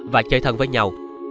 và chơi thân với nhau